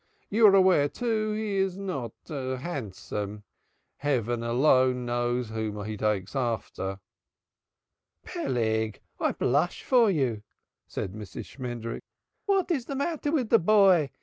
You are aware, too, he is not handsome. Heaven alone knows whom he takes after." "Peleg, I blush for you," said Mrs. Shmendrik. "What is the matter with the boy?